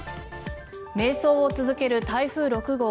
迷走を続ける台風６号。